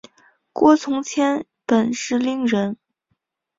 郭从谦本是伶人。